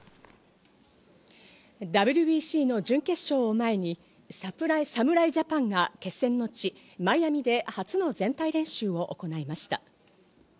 ＷＢＣの準決勝を前に侍ジャパンが決戦の地マイアミで初の全体練習を行いました。